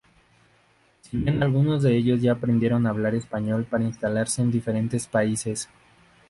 Si bien algunos de ellos ya aprendiendo hablar español para instalarse en diferentes países.